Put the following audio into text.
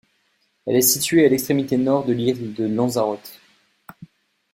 Elle est située à l'extrémité nord de l'île de Lanzarote.